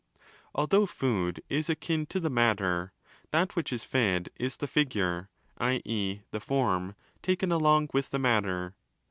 ® Although food is akin to the matter, that which is fed is the 'figure'—i.e. the 'form'—taken along with the matter.